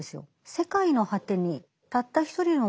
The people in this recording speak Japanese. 世界の果てにたった一人の